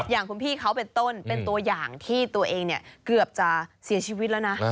อย่างคุณพี่เขาเป็นต้นเป็นตัวอย่างที่ตัวเองเนี่ยเกือบจะเสียชีวิตแล้วนะ